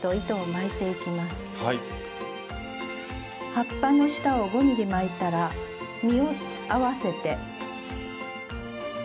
葉っぱの下を５ｍｍ巻いたら実を合わせて。